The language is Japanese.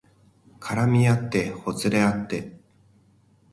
絡みあってほつれあって